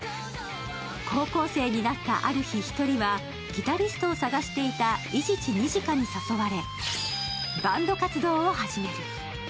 高校生になったある日、ひとりはギタリストを探していた伊地知虹夏に誘われ、バンド活動を始める。